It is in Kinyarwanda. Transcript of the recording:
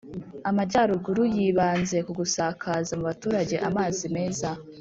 Amajyaruguru yibanze ku gusakaza mu baturage amazi meza